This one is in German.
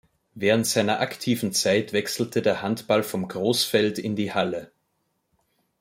Während seiner aktiven Zeit wechselte der Handball vom Großfeld in die Halle.